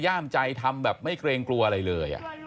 ย่ามใจทำแบบไม่เกรงกลัวอะไรเลย